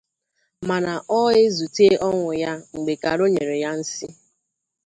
Mana ọ ezute ọnwụ ya mgbe Caro nyere ya nsị.